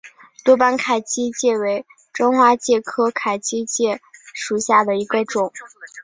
多斑凯基介为真花介科凯基介属下的一个种。